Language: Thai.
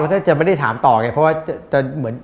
แล้วก็จะไม่ได้ถามต่อไงเพราะว่า